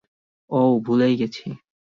অও, ভুলেই গেছি।